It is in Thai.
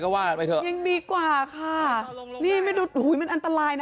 ก็ว่ากันไปเถอะยิงดีกว่าค่ะนี่ไม่ดูอุ้ยมันอันตรายนะ